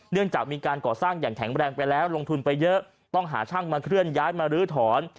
จากมีการก่อสร้างอย่างแข็งแรงไปแล้วลงทุนไปเยอะต้องหาช่างมาเคลื่อนย้ายมาลื้อถอน